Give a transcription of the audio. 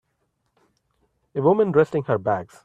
A woman resting her bags.